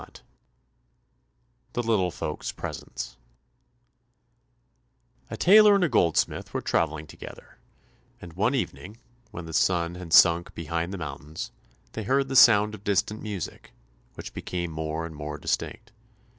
182 The Little Folks' Presents A tailor and a goldsmith were travelling together, and one evening when the sun had sunk behind the mountains, they heard the sound of distant music, which became more and more distinct.